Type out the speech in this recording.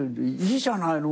いいじゃないの？」